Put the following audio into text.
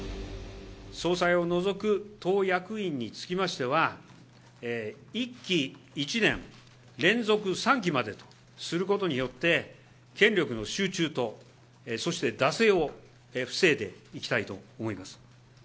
総裁を除く党役員につきましては、１期１年連続３期までとすることによって、権力の集中と、そして惰性を防いでいきたいと思います。